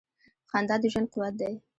• خندا د ژوند قوت دی.